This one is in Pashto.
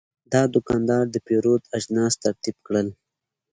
دا دوکاندار د پیرود اجناس ترتیب کړل.